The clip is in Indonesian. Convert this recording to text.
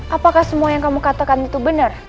apakah semua yang kamu katakan itu benar